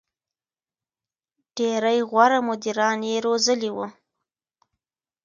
• ډېری غوره مدیران یې روزلي وو.